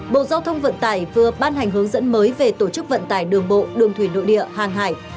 bộ giao thông vận tải vừa ban hành hướng dẫn mới về tổ chức vận tải đường bộ đường thủy nội địa hàng hải